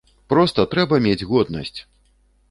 Проста трэба мець годнасць!